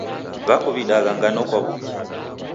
W'akuw'idagha ngano kwa w'ungi.